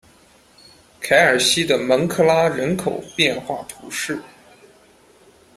凯尔西的蒙克拉人口变化图示